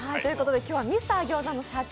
今日はミスター・ギョーザの社長